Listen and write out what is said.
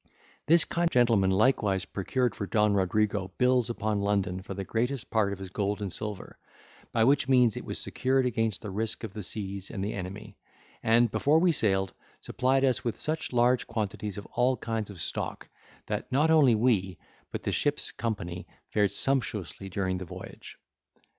This kind gentleman likewise procured for Don Rodrigo bills upon London for the greatest part of his gold and silver, by which means it was secured against the risk of the seas and the enemy; and, before we sailed, supplied us with such large quantities of all kinds of stock, that not only we, but the ship's company, fared sumptuously during the voyage.